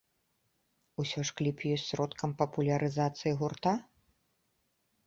Усё ж кліп ёсць сродкам папулярызацыі гурта?